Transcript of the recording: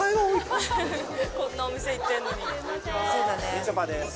みちょぱです。